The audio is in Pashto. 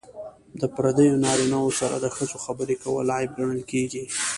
د پردیو نارینه وو سره د ښځو خبرې کول عیب ګڼل کیږي.